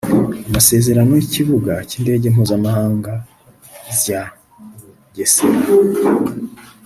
amasezerano y’ikibuga cy’indege Mpuzamhanga zya Bugesera